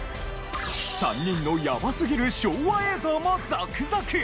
３人のやばすぎる昭和映像も続々！